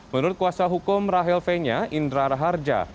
menurut kuasa hukum rahel fenya indra raharja